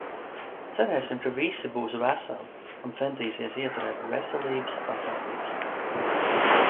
Cerēsim ka visi būs veseli, un centīsies ieturēt veselības pasākumus.